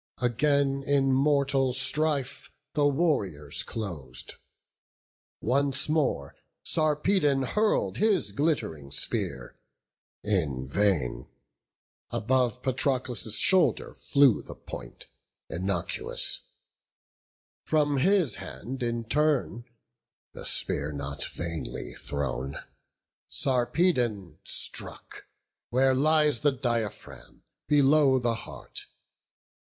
Again in mortal strife the warriors clos'd: Once more Sarpedon hurl'd his glitt'ring spear In vain; above Patroclus' shoulder flew The point, innocuous; from his hand in turn The spear not vainly thrown, Sarpedon struck Where lies the diaphragm, below the heart.